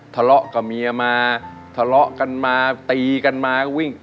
ทะเลาะกับเมียมาทะเลาะกันมาตีกันมาก็วิ่ง